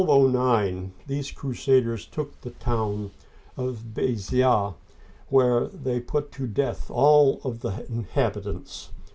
In 1209, these crusaders took the town of B^ziers (ha zy a'), where they put to death all the inhabitants.